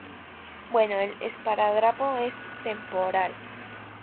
bueno, el esparadrapo es temporal ;